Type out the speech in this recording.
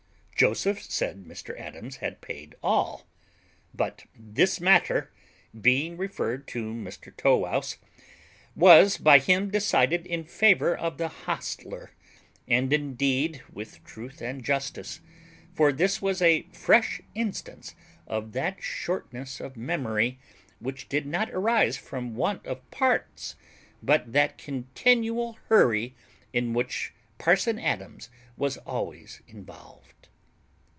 Joseph said Mr Adams had paid all; but this matter, being referred to Mr Tow wouse, was by him decided in favour of the hostler, and indeed with truth and justice; for this was a fresh instance of that shortness of memory which did not arise from want of parts, but that continual hurry in which parson Adams was always involved.